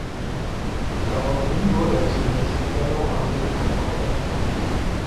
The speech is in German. Daraufhin wurde er zunächst Fellow am Lincoln College.